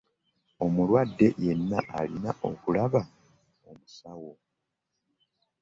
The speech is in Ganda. Omulwadde yena alina okulaba omusawo.